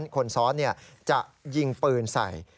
คนซ้อนจะยิงปืนใส่